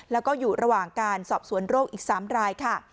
แล้วก็อยู่ระหว่างการสอบสวนโรคอีก๓รายค่ะ